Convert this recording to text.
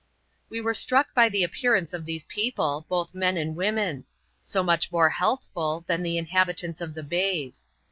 We were struck by the appearance of these people, both men and women ; so much more healthful than the inhabitants of the bays.